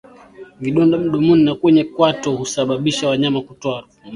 Vidonda midomoni na kwenye kwato husababisa wanyama kutoa harufu mbaya